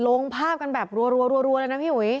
ลงภาพกันแบบรัวเลยนะพี่อุ๋ย